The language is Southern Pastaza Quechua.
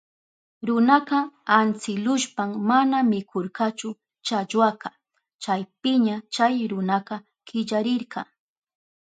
Runaka antsilushpan mana mikurkachu challwaka. Chaypiña chay runaka killarirka.